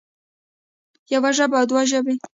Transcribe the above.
يوه ژبه او دوه ژبې